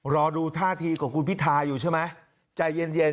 รอดูท่าทีของคุณพิทาอยู่ใช่ไหมใจเย็น